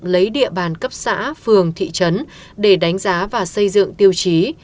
lấy địa bàn cấp xã phường thị trấn để đánh giá và xây dựng tiêu chí